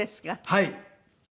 はい。